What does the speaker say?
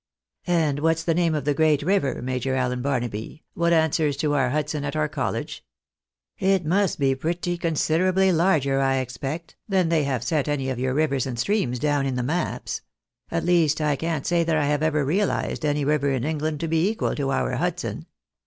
" And what's the name of the great river. Major Allen Barnaby, what answers to our Hudson at our college ? It must be pretty considwably larger, I expect, than they have set any of your rivers and streams down in the maps ; at least I can't say that I have ever realised any river in England to be equal to our Hudson.